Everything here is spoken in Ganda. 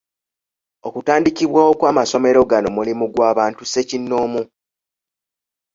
Okutandikibwawo kw’amasomero gano mulimu gw’abantu ssekinnoomu.